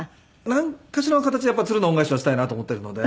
なんかしらの形でつるの恩返しはしたいなと思っているので。